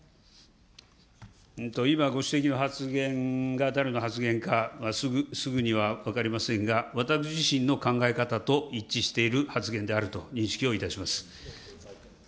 今ご指摘の発言が誰の発言か、すぐには分かりませんが、私自身の考え方と一致している発言であると認識をいたします。